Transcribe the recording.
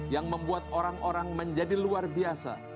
yang membuat orang orang menjadi luar biasa